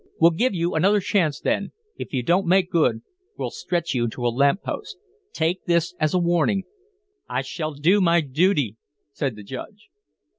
We'll give you another chance, then, if you don't make good, we'll stretch you to a lamp post. Take this as a warning." "I s shall do my d d duty," said the Judge.